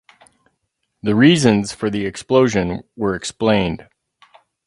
The reasons for the explosion were explained.